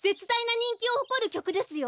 にんきをほこるきょくですよ！？